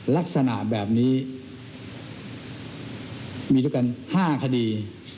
ลักษณะแบบนี้มีด้วยกัน๕คดี